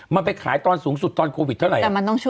มันไปขายตอนสูงสุดตอนโควิดเท่าไหร่